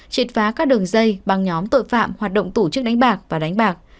triệt phá các đường dây bằng nhóm tội phạm hoạt động tổ chức đánh bạc và đánh bạc